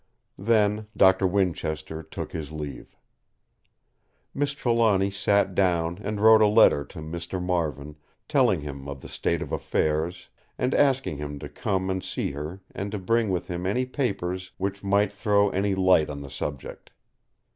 Then Doctor Winchester took his leave. Miss Trelawny sat down and wrote a letter to Mr. Marvin, telling him of the state of affairs, and asking him to come and see her and to bring with him any papers which might throw any light on the subject.